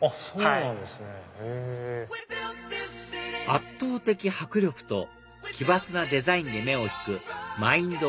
圧倒的迫力と奇抜なデザインで目を引くマインド